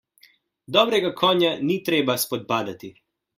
Dobrega konja ni treba spodbadati.